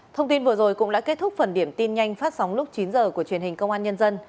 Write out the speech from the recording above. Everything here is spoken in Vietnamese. thông tin vừa rồi cũng đã kết thúc phần điểm tin nhanh phát sóng lúc chín h của truyền hình công an nhân dân